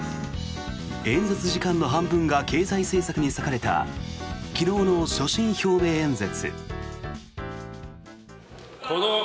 演説時間の半分が経済政策に割かれた昨日の所信表明演説。